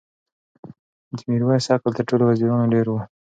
د میرویس عقل تر ټولو وزیرانو ډېر و.